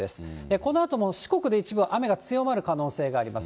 このあとも四国で一部、雨が強まる可能性があります。